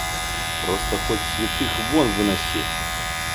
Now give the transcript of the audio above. Просто хоть святых вон выноси!